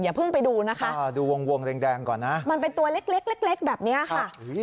เพิ่งไปดูนะคะดูวงแดงก่อนนะมันเป็นตัวเล็กเล็กแบบนี้ค่ะ